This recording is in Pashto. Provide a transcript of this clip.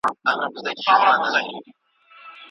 ډاکټر وویل چي احساساتي اسلوب څېړنه زیانمنوي.